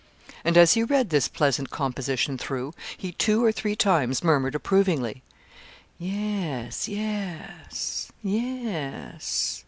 And as he read this pleasant composition through, he two or three times murmured approvingly, 'Yes yes yes.'